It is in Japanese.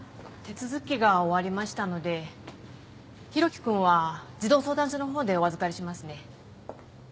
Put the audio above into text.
手続きが終わりましたので浩輝君は児童相談所の方でお預かりしますね。